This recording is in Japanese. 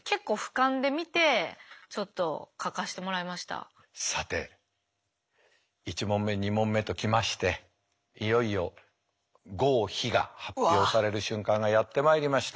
私このさて１問目２問目ときましていよいよ合否が発表される瞬間がやってまいりました。